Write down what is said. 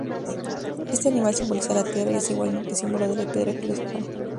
Este animal simboliza la Tierra y es igualmente símbolo de la piedra filosofal.